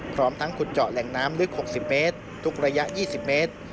พร้อมทั้งขุดเจาะแหล่งน้ำลึก๖๐เมตรทุกระยะ๒๐เมตร